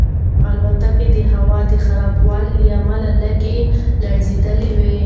الوتکه د هوا د خرابوالي له امله لږه لړزېدلې وه.